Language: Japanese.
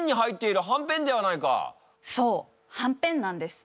そうはんぺんなんです。